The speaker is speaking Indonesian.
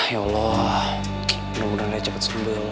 ya allah mudah mudahan raya cepet sembel